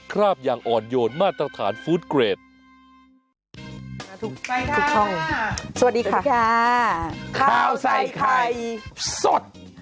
ข้าวใส่ไข่สด